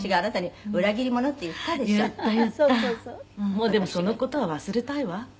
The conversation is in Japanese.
「もうでもその事は忘れたいわ。